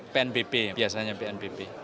pnbp biasanya pnbp